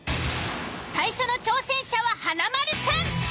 最初の挑戦者は華丸さん。